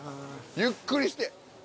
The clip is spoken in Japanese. ゆっくりして。